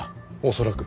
恐らく。